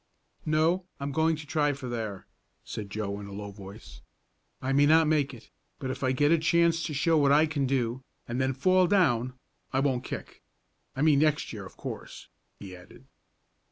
"No, I'm going to try for there," said Joe in a low voice. "I may not make it, but if I get a chance to show what I can do, and then fall down, I won't kick. I mean next year, of course," he added.